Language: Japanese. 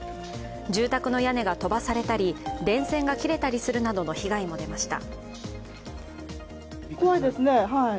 住宅の屋根が飛ばされたり電線が切れたりするなどの被害も出ました。